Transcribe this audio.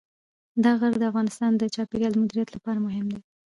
دا غر د افغانستان د چاپیریال د مدیریت لپاره مهم دی.